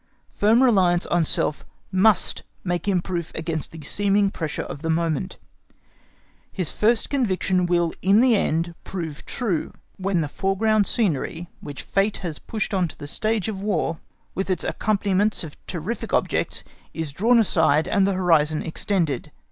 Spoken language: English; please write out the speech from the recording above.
Firm reliance on self must make him proof against the seeming pressure of the moment; his first conviction will in the end prove true, when the foreground scenery which fate has pushed on to the stage of War, with its accompaniments of terrific objects, is drawn aside and the horizon extended.